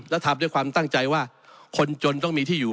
และทำด้วยความตั้งใจว่าคนจนต้องมีที่อยู่